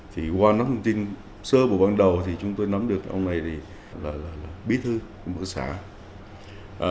thì qua nắm tin sơ bộ ban đầu thì chúng tôi nắm được ông này là bí thư của một xã